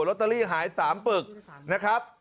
อตเตอรี่หาย๓ปึกนะครับ